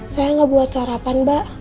saya gak buat sarapan mbak